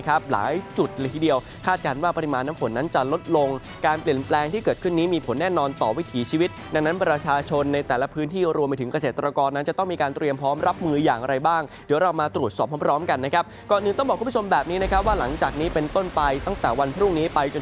หลายจุดเลยทีเดียวคาดการณ์ว่าปริมาณน้ำฝนนั้นจะลดลงการเปลี่ยนแปลงที่เกิดขึ้นนี้มีผลแน่นอนต่อวิถีชีวิตดังนั้นประชาชนในแต่ละพื้นที่รวมไปถึงเกษตรกรนั้นจะต้องมีการเตรียมพร้อมรับมืออย่างไรบ้างเดี๋ยวเรามาตรวจสอบพร้อมกันนะครับก่อนอื่นต้องบอกคุณผู้ชมแบบนี้นะครับว่าหลังจากนี้เป็นต้นไปตั้งแต่วันพรุ่งนี้ไปจน